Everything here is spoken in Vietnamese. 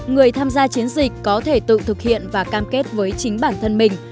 người tham gia chiến dịch có thể tự thực hiện và cam kết với chính bản thân mình